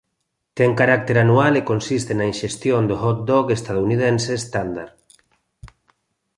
Ten carácter anual e consiste na inxestión do hot dog estadounidense estándar.